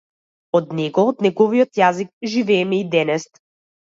Од него, од неговиот јазик живееме и денес.